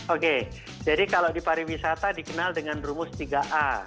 oke jadi kalau di pariwisata dikenal dengan rumus tiga a